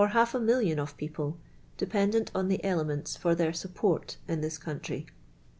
alf a miilion of peoplt*, dep n dent on the elements for their support in this country.